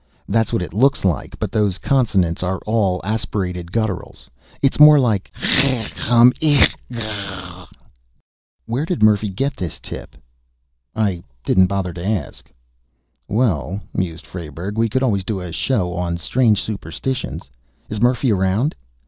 "That's what it looks like but those consonants are all aspirated gutturals. It's more like 'Hrrghameshgrrh'." "Where did Murphy get this tip?" "I didn't bother to ask." "Well," mused Frayberg, "we could always do a show on strange superstitions. Is Murphy around?"